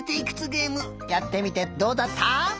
げえむやってみてどうだった？